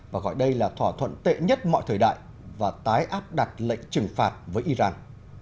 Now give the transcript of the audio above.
và gọi đây là thỏa thuận tệ nhất mọi thời đại và tái áp đặt lệnh trừng phạt với iran